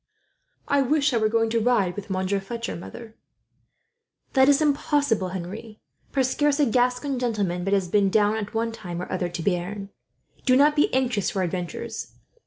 "I wish I were going to ride with Monsieur Fletcher, mother." "That is impossible, Henri; for scarce a Gascon gentleman but has been down, at one time or other, to Bearn. Do not be anxious for adventures.